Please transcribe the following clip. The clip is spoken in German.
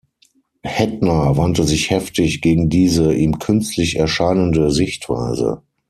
Hettner wandte sich heftig gegen diese ihm künstlich erscheinende Sichtweise.